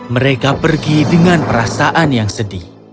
mereka pergi dengan perasaan yang sedih